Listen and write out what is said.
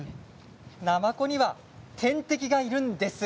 なまこには天敵がいるんです。